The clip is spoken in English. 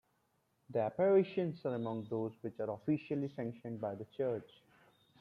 The apparitions are among those which are officially sanctioned by the Church.